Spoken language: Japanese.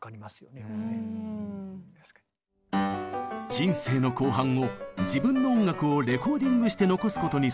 人生の後半を自分の音楽をレコーディングして残すことにささげたグールド。